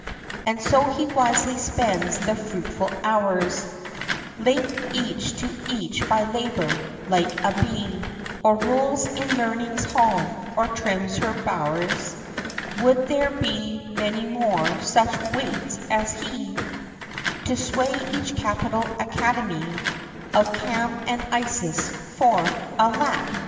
XXIX. And so he wisely spends the fruitful hours, Linked each to each by labor, like a bee; Or rules in Learning's hall, or trims her bow'rs; Would there were many more such wights as he, To sway each capital academie Of Cam and Isis; for, alack!